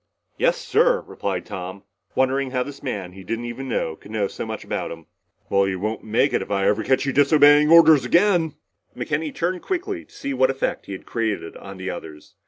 _" "Yes, sir," replied Tom, wondering how this man he didn't even know could know so much about him. "Well, you won't make it if I ever catch you disobeying orders again!" McKenny turned quickly to see what effect he had created on the others.